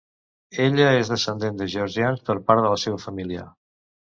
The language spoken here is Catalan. Ella és descendent de georgians per part de la seva família.